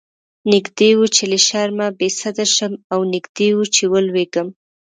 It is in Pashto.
نږدې و چې له شرمه بې سده شم او نږدې و چې ولويږم.